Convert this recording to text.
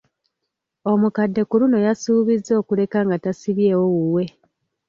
Omukadde ku luno yasuubizza okuleka nga tasibyewo wuwe.